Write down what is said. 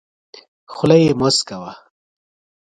خوله یې موسکه وه .